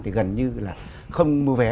thì gần như là không mua vé